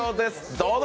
どうぞ！